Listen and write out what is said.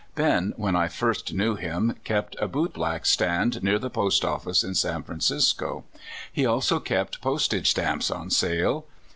Ben, when I first knew him, kept a bootblack stand near the post office in San Francisco. He also kept postage stamps on sale.